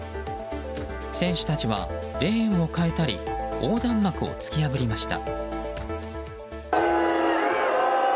選手たちはレーンを変えたり横断幕を突き破りました。